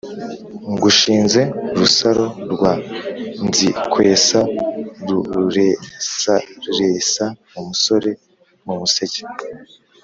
«ngushinze rusaro rwa nzikwesa ruresaresa umusore mu museke